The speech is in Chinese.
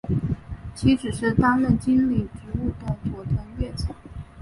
妻子是担任经理职务的佐藤悦子。